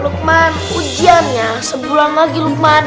lukman ujiannya sebulan lagi lukman